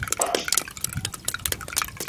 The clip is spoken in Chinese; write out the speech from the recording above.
目前家族的掌舵人是其第四代。